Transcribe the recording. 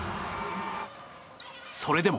それでも。